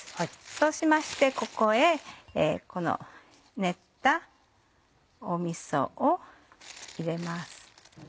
そうしましてここへこの練ったみそを入れます。